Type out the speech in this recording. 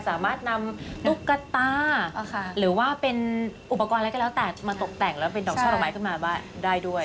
สามารถนำตุ๊กตาหรือว่าเป็นอุปกรณ์อะไรก็แล้วแต่มาตกแต่งแล้วเป็นดอกช่อดอกไม้ขึ้นมาได้ด้วย